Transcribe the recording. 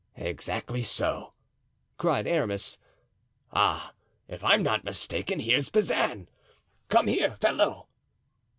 "Exactly so," cried Aramis. "Ah! if I'm not mistaken here's Bazin. Come here, fellow."